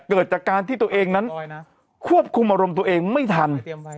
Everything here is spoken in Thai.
เกิดจากการที่ตัวเองนั้นควบคุมอารมณ์ตัวเองไม่ทัน